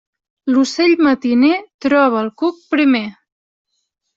L'ocell matiner troba el cuc primer.